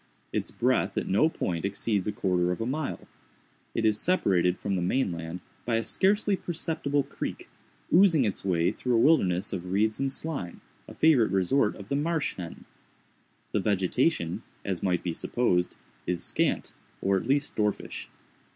Its breadth at no point exceeds a quarter of a mile. It is separated from the main land by a scarcely perceptible creek, oozing its way through a wilderness of reeds and slime, a favorite resort of the marsh hen. The vegetation, as might be supposed, is scant, or at least dwarfish.